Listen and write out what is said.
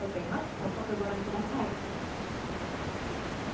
早速、ご覧ください。